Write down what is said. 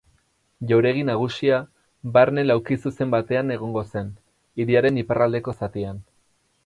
Jauregi nagusia, barne laukizuzen batean egongo zen, hiriaren iparraldeko zatian.